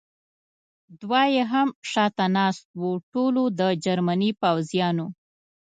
دوه یې هم شاته ناست و، ټولو د جرمني پوځیانو.